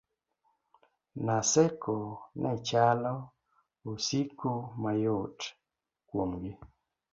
Naseko nechalo osiko mayot kuomgi